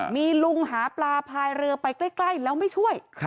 มีลุงหาปลาพายเรือไปใกล้แล้วไม่ช่วย